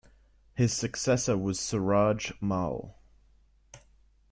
His successor was Suraj Mal.